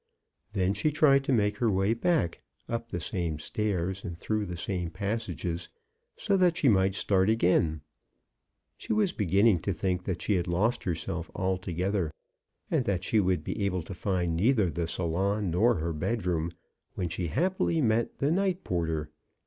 Then she tried to make her way back, up the same stairs and through the same passages, so that she might start again. She was beginning to think that she had lost herself altogether, and that she would be able to find neither the salon nor her bedroom, when she happily met the night porter.